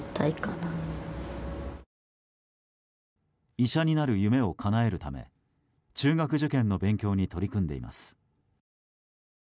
医者になる夢をかなえるため中学受験の勉強に取り組んでいます。